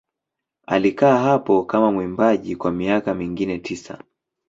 Alikaa hapo kama mwimbaji kwa miaka mingine tisa.